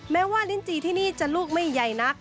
แม้ว่าลิ้นจีที่นี่จะลูกไม่ใหญ่นัก